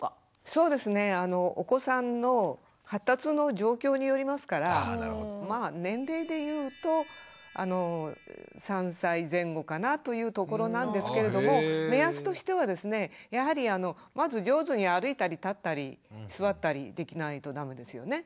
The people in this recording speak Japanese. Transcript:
そうですねお子さんの発達の状況によりますからまあ年齢で言うと３歳前後かなというところなんですけれども目安としてはですねやはりまず上手に歩いたり立ったり座ったりできないと駄目ですよね。